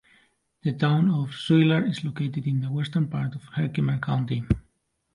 The Town of Schuyler is located in the western part of Herkimer County.